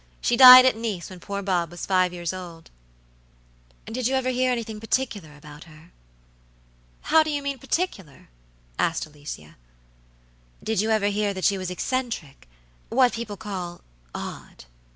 She died at Nice when poor Bob was five years old." "Did you ever hear anything particular about her?" "How do you mean 'particular?'" asked Alicia. "Did you ever hear that she was eccentricwhat people call 'odd?'"